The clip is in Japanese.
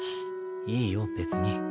いいよ別に。